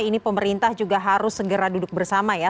ini pemerintah juga harus segera duduk bersama ya